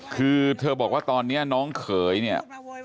คือเธอบอกว่าตอนนี้น้องเขยเนี่ย